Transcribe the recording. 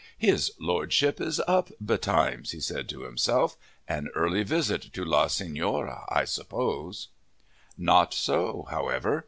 "His Lordship is up betimes!" he said to himself. "An early visit to La Signora, I suppose." Not so, however.